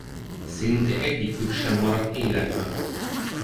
Szinte egyikük sem maradt életben.